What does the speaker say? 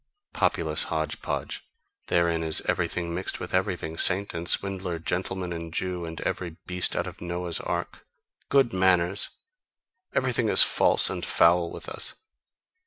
Populace hodgepodge: therein is everything mixed with everything, saint and swindler, gentleman and Jew, and every beast out of Noah's ark. Good manners! Everything is false and foul with us.